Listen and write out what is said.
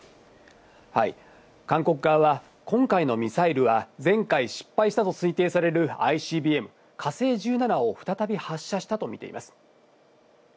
韓国側は、今回のミサイルは前回失敗したと推定されるＩＣＢＭ、火星１７を再び発射したと見ています。